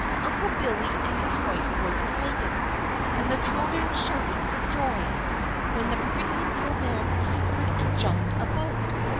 Uncle Billy and his wife were delighted, and the children shouted for joy, when the pretty little man capered and jumped about.